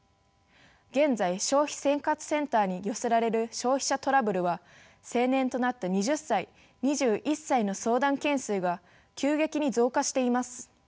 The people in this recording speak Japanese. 現在消費生活センターに寄せられる消費者トラブルは成年となった２０歳２１歳の相談件数が急激に増加しています。